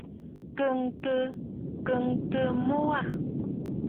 Kɔʼɔtə mɔʼɔ wâ.